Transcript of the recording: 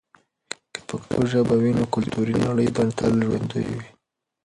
که پښتو ژبه وي، نو کلتوري نړی به تل ژوندي وي.